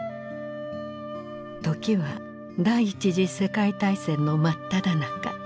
時は第一次世界大戦の真っただ中。